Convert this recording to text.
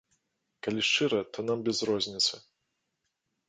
Калі шчыра, то нам без розніцы.